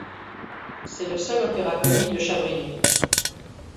C'est le seul opéra-comique de Chabrier.